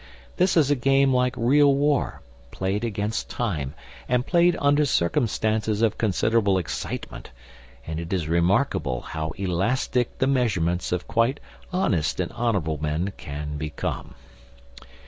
This is a game like real war, played against time, and played under circumstances of considerable excitement, and it is remarkable how elastic the measurements of quite honest and honourable men can become.